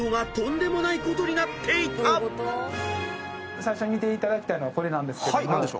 最初見ていただきたいのはこれなんですけども。